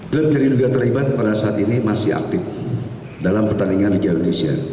klub yang diduga terlibat pada saat ini masih aktif dalam pertandingan liga indonesia